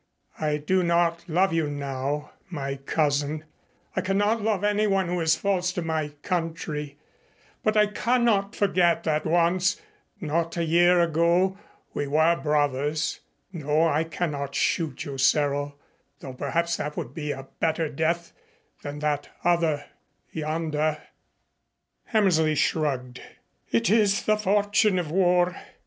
I do not love you now, my cousin. I cannot love anyone who is false to my country, but I cannot forget that once, not a year ago, we were brothers. No, I cannot shoot you, Cyril, though perhaps that would be a better death than that other yonder." Hammersley shrugged. "It is the fortune of war.